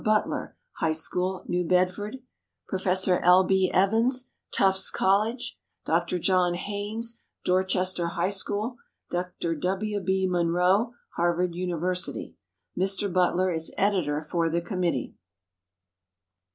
Butler, High School, New Bedford; Professor L. B. Evans, Tufts College; Dr. John Haynes, Dorchester High School; Dr. W. B. Munro, Harvard University. Mr. Butler is editor for the committee.